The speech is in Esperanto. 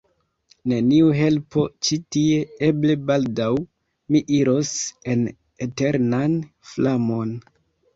neniu helpo ĉi tie: eble baldaŭ mi iros en eternan flamon.